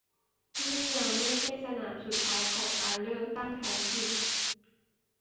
นี่ยังไม่ใช่สนามสุดท้ายของการเลือกตั้งท้องถิ่น